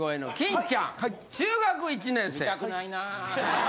見たくないな。